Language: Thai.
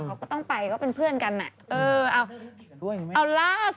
เขาก็ต้องไปก็เป็นเพื่อนกันน่ะ